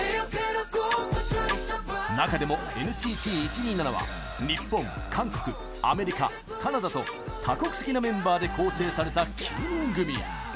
中でもＮＣＴ１２７は日本、韓国、アメリカ、カナダと多国籍なメンバーで構成された９人組。